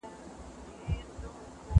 کور د ماشوم له خوا پاکيږي.